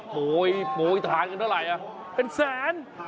โหยทานกันเท่าไหร่อ่ะเป็นแสน